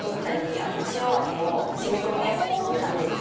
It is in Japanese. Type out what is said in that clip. あと塩味を染み込みやすくするためです。